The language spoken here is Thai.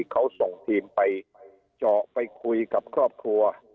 เขาส่งทีมไปเจาะไปคุยกับครอบครัว